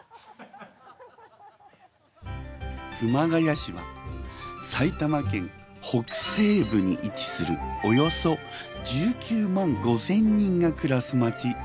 熊谷市は埼玉県北西部に位置するおよそ１９万５，０００人が暮らす町。